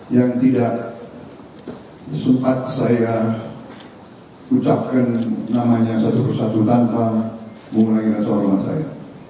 yang tidak sempat saya ucapkan namanya satu persatu tanpa mengurangi rasa hormat saya